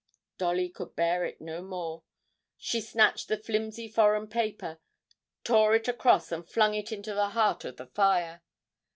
Dolly could bear it no more; she snatched the flimsy foreign paper, tore it across and flung it into the heart of the fire.